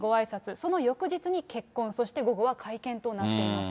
その翌日に結婚、そして午後は会見となっています。